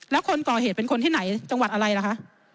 แล้วคนก่อเหตุเป็นคนที่ไหนจังหวัดอะไรล่ะคะ